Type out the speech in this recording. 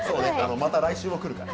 また来週も来るから。